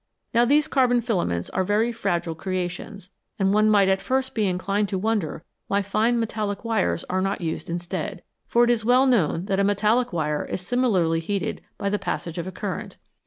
Now these carbon filaments are very fragile creations, and one might at first be inclined to wonder why fine metallic wires are not used instead ; for it is well known that a metallic wire is similarly heated by the passage of a current.